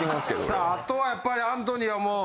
さああとはやっぱりアントニーはもう。